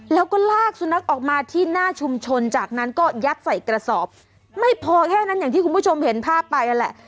แล้วก็ลากสุนัขออกมาที่หน้าชุมชนจากนั้นก็ยัดใส่กระสอบไม่พอแค่นั้นอย่างที่คุณผู้ชมเห็นภาพไปนั่นแหละ